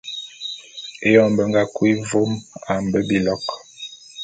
Eyon be nga kui vôm a mbe bilok.